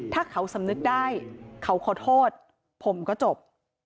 ถ้าเขาสำนึกได้เขาขอโทษผมก็จบ